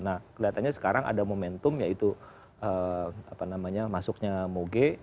nah kelihatannya sekarang ada momentum yaitu masuknya moge